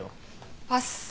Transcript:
パス。